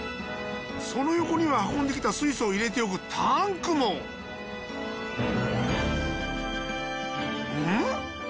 その横には運んできた水素を入れておくタンクもん？